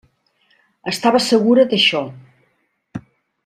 Estava segura d'això.